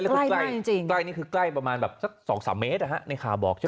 แล้วคือใกล้นี่คือใกล้ประมาณแบบสัก๒๓เมตรในข่าวบอกใช่ไหม